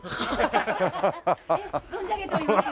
存じ上げております。